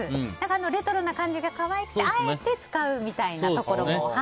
レトロな感じが可愛くてあえて使うみたいなところも。